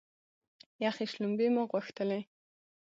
یخې شلومبې مو غوښتلې.